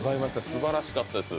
すばらしかったです。